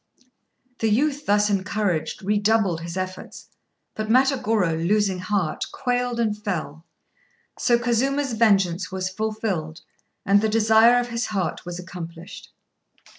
The youth, thus encouraged, redoubled his efforts; but Matagorô, losing heart, quailed and fell. So Kazuma's vengeance was fulfilled, and the desire of his heart was accomplished.